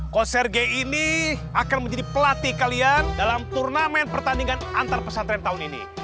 konser g ini akan menjadi pelatih kalian dalam turnamen pertandingan antar pesantren tahun ini